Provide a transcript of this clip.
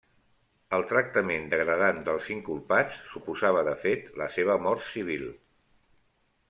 El tractament degradant dels inculpats suposava de fet la seva mort civil.